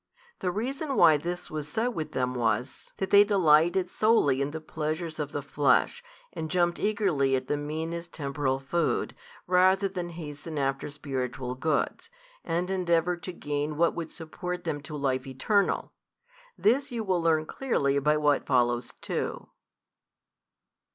The reason why this was so with them was, that they delighted solely in the pleasures of the flesh, and jumped eagerly at the meanest temporal food, rather than hasten after spiritual goods, and endeavour to gain what would support them to life eternal. This you will learn clearly by what follows too.